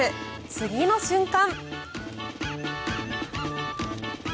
次の瞬間。